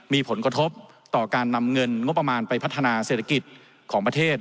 มีผลกระทบต่อการนำเงินงบประมาณไปพัฒนาเศรษฐกิจของประเทศ